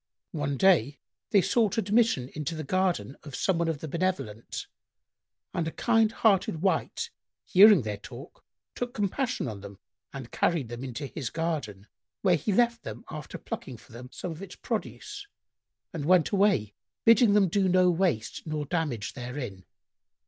One day they sought admission into the garden of some one of the benevolent, and a kind hearted wight, hearing their talk, took compassion on them and carried them into his garden, where he left them after plucking for them some of its produce and went away, bidding them do no waste nor damage therein.